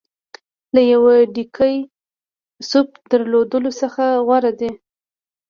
له یوه ډېګي سوپ درلودلو څخه غوره دی.